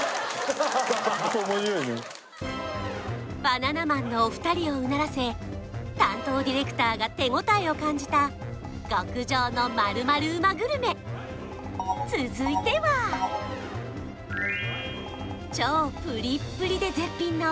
バナナマンのお二人をうならせ担当ディレクターが手応えを感じた極上の○○うまグルメ続いては超プリップリで絶品の